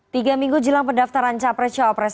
tiga minggu jelang pendaftaran capres cawapres